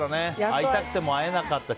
会いたくても会えなかった。